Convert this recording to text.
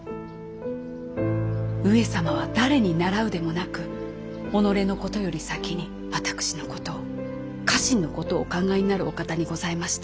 上様は誰に習うでもなく己のことより先に私のことを家臣のことをお考えになるお方にございました。